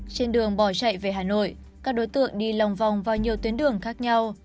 trên đường bỏ chạy về hà nội các đối tượng đi lòng vòng vào nhiều tuyến đường khác nhau